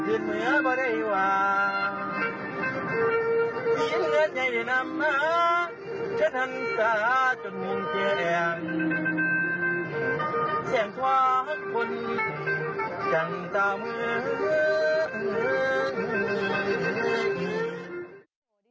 เสียงทว้างคนจังตาเมือง